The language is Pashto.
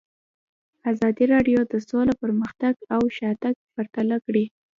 ازادي راډیو د سوله پرمختګ او شاتګ پرتله کړی.